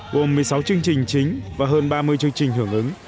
gồm một mươi sáu chương trình chính và hơn ba mươi chương trình hưởng ứng